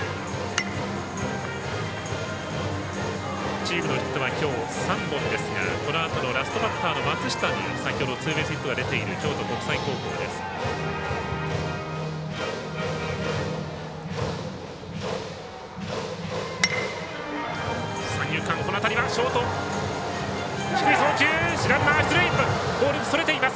チームのヒットはきょう３本ですがこのあとのラストバッターの松下に先ほどツーベースヒットが出ている、京都国際高校です。